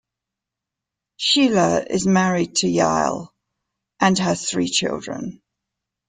Shelah is married to Yael, and has three children.